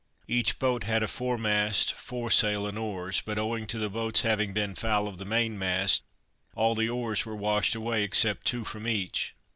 Each boat had a foremast, foresail and oars; but owing to the boats having been foul of the main mast, all the oars were washed away except two from each.